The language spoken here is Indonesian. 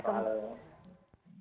selamat malam mbak hilal